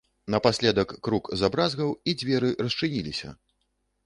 Напаследак крук забразгаў і дзверы расчыніліся.